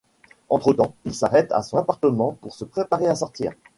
Entre-temps, il s'arrête à son appartement pour se préparer à sortir.